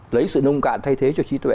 lấy sự nông cạn thay thế cho trí tuệ